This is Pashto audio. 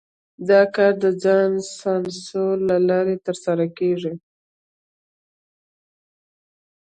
دا کار د ځان سانسور له لارې ترسره کېږي.